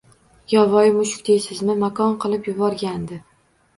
Yovvoyi mushuk deysizmi makon qilib yuborgandi.